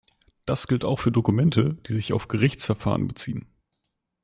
Das gilt auch für Dokumente, die sich auf Gerichtsverfahren beziehen.